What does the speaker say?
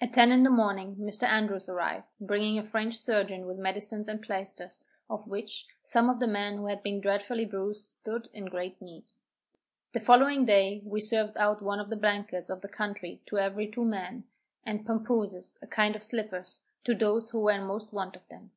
At ten in the morning, Mr. Andrews arrived, bringing a French surgeon with medicines and plaisters, of which, some of the men who had been dreadfully bruised, stood in great need. The following day, we served out one of the blankets of the country to every two men, and pampooses, a kind of slippers, to those who were in most want of them.